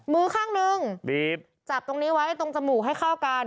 มือข้างนึงบีบจับตรงนี้ไว้ตรงจมูกให้เข้ากัน